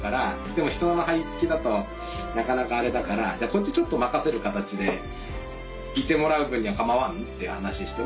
でもひとのま張り付きだとなかなかあれだからじゃあこっちちょっと任せる形で「いてもらう分には構わん？」って話しして。